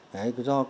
đấy do công ty honda